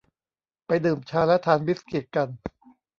ไปดื่มชาและทานบิสกิตกัน